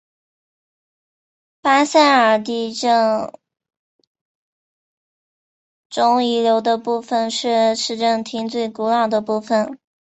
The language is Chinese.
巴塞尔地震中遗留的部分是市政厅最古老的部分。